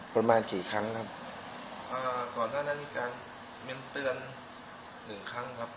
ประมาณกี่ครั้งครับอ่าก่อนหน้านั้นมีการเตือนหนึ่งครั้งครับ